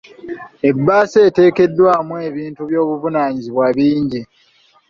Ebbaasa eteekebwamu ebintu by'obuvunaanyizibwa bingi.